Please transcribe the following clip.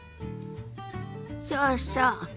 そうそう。